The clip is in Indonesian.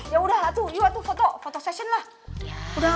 yaudah atuh yuk atuh foto foto session lah